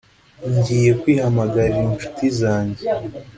ngiye kwihamagarira inshuti zanjye